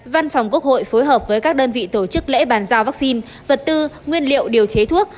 văn phòng quốc hội phối hợp với các đơn vị tổ chức lễ bàn giao vaccine vật tư nguyên liệu điều chế thuốc